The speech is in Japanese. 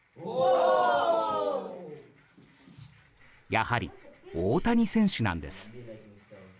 やはり、大谷選手なんです。